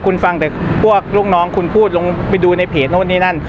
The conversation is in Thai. คุณฟังแต่พวกลูกน้องคุณพูดลงไปดูในเพจโน้นนี่นั่น